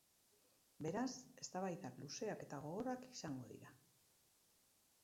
Beraz, eztabaidak luzeak eta gogorrak izango dira.